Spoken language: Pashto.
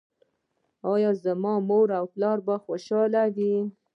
ایا زما مور او پلار به خوشحاله وي؟